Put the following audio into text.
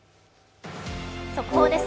速報です。